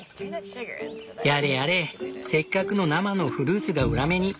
やれやれせっかくの生のフルーツが裏目に。